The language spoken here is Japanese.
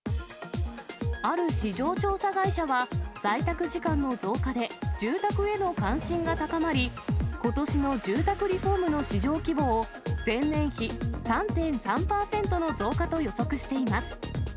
ある市場調査会社は、在宅時間の増加で住宅への関心が高まり、ことしの住宅リフォームの市場規模を前年比３．３％の増加と予測しています。